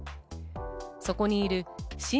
そこにいる親